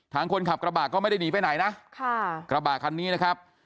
คนขับกระบะก็ไม่ได้หนีไปไหนนะค่ะกระบะคันนี้นะครับ